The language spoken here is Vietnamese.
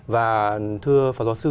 và thưa phó giáo sư